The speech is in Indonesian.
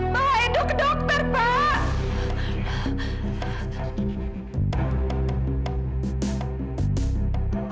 mbak edo ke dokter pak